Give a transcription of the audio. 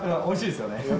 おいしいですよね。